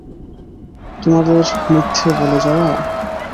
তোমাদের মিথ্যে বলে যাওয়া?